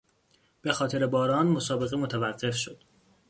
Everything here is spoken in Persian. به خاطر باران مسابقه متوقف شد.